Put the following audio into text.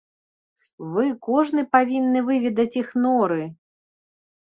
Вы кожны павінны выведваць іх норы!